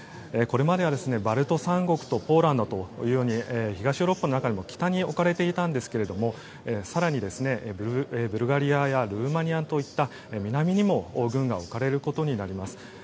これまではバルト三国とポーランドというように東ヨーロッパの中でも北に置かれていたんですが更にブルガリアやルーマニアといった南にも軍が置かれることになります。